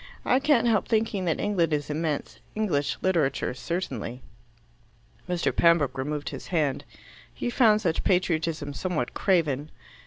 I can't help thinking that England is immense. English literature certainly." Mr. Pembroke removed his hand. He found such patriotism somewhat craven.